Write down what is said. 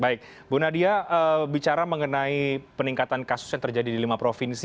baik bu nadia bicara mengenai peningkatan kasus yang terjadi di lima provinsi